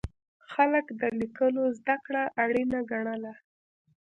خلک د لیکلو زده کړه اړینه ګڼله.